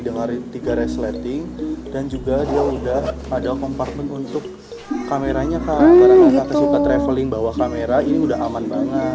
dengan tiga resleting dan juga dia udah ada komponen untuk kameranya kak kesukaan traveling bawa kamera ini udah aman banget ya